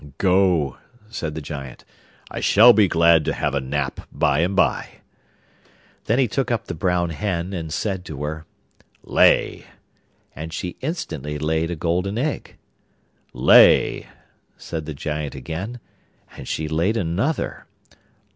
'Go,' said the Giant; 'I shall be glad to have a nap by and by.' Then he took up the brown hen and said to her: 'Lay!' And she instantly laid a golden egg. 'Lay!' said the Giant again. And she laid another.